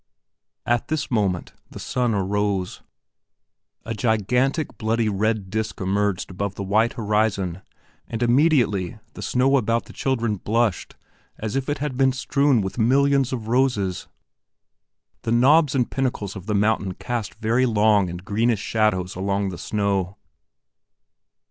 At this moment the sun arose. A gigantic, bloody red disk emerged above the white horizon and immediately the snow about the children blushed as if it had been strewn with millions of roses. The knobs and pinnacles of the mountain cast very long and greenish shadows along the snow.